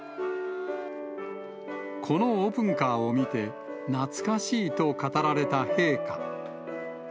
このオープンカーを見て、懐かしいと語られた陛下。